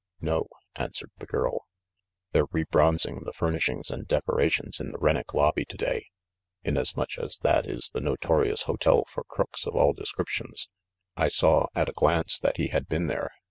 "No," answered the girl. "They're rebronzing the furnishings and decorations in the Rennick lobby to day. Inasmuch as that is the notorious hotel for crooks of all descriptions, I saw at a glance that he had been there.